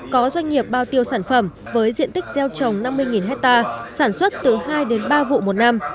có doanh nghiệp bao tiêu sản phẩm với diện tích gieo trồng năm mươi hectare sản xuất từ hai đến ba vụ một năm